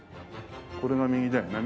これが右だよね？